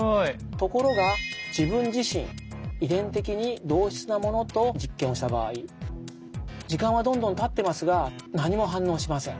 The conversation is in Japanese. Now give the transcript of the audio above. ところが自分自身遺伝的に同質なものと実験をした場合時間はどんどんたってますが何も反応しません。